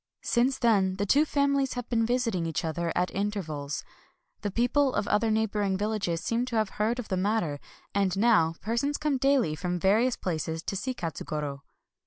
Since then the two families have been visiting each other at inter vals. The people of other neighboring vil lages seem to have heard of the matter ; and now persons come daily from various places to see Katsugoro.